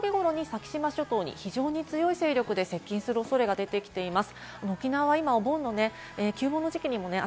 日頃に先島諸島に非常に強い勢力で接近する恐れが出てきています。